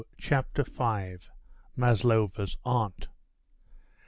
CHAPTER V. MASLOVA'S AUNT.